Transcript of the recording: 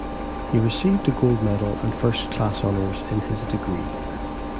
He received a gold medal and first class honours in his degree.